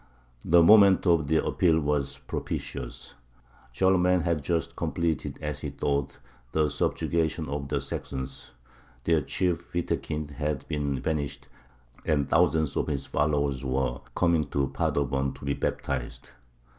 The moment of their appeal was propitious; Charlemagne had just completed, as he thought, the subjugation of the Saxons; their chief Wittekind had been banished, and thousands of his followers were coming to Paderborn to be baptized.